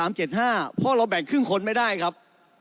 เพราะเราแบ่งครึ่งคนไม่ได้ครับ